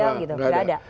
enggak enggak ada